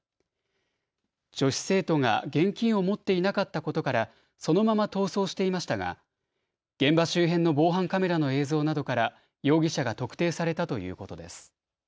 女子生徒が現金を持っていなかったことからそのまま逃走していましたが現場周辺の防犯カメラの映像などから容疑者が特定されたということです。